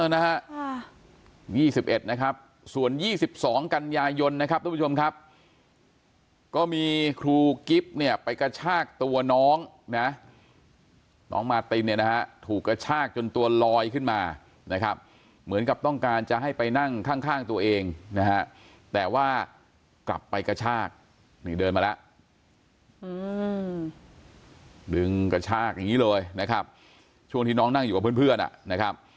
นะฮะ๒๑นะครับส่วน๒๒กันยายนนะครับทุกผู้ชมครับก็มีครูกิ๊บเนี่ยไปกระชากตัวน้องนะน้องมาตินเนี่ยนะฮะถูกกระชากจนตัวลอยขึ้นมานะครับเหมือนกับต้องการจะให้ไปนั่งข้างตัวเองนะฮะแต่ว่ากลับไปกระชากนี่เดินมาแล้วดึงกระชากอย่างนี้เลยนะครับช่วงที่น้องนั่งอยู่กับเพื่อนนะครับ